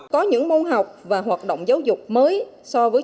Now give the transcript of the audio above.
có những môn học và hoạt động giáo dục mới